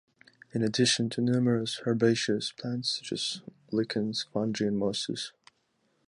In addition to numerous herbaceous plants such as lichens, fungi and mosses.